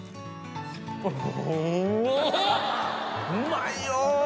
うまいよ！